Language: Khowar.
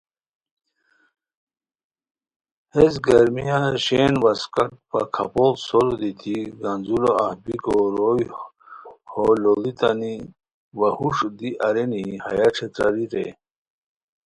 ہیس گرمیہ شین واسکٹ وا کپھوڑ سورو دیتی گنځولو اف بیکو، روئے ہولُوڑیتانی وا ہوݰ دی ارینی ہیہ ݯھتراری رے